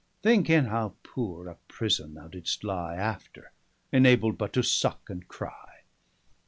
Thinke in how poore a prison thou didst lie After, enabled but to suck, and crie.